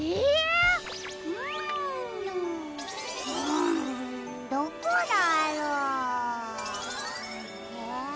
んどこだろう？え？